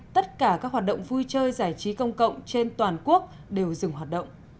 tất cả các hoạt động vui chơi giải trí công cộng trên toàn quốc đều dừng hoạt động